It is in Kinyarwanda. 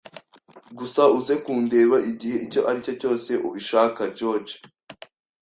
Gusa uze kundeba igihe icyo ari cyo cyose ubishaka, George.